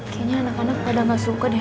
kayaknya anak anak pada gak suka deh